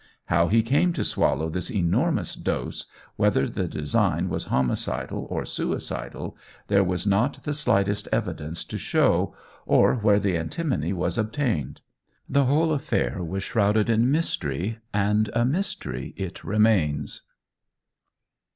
How he came to swallow this enormous dose, whether the design was homicidal or suicidal, there was not the slightest evidence to show, or where the antimony was obtained. The whole affair was shrouded in mystery, and a mystery it remains.